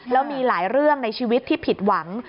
แล้วมีหลายเรื่องในชีวิตที่ผิดหวัง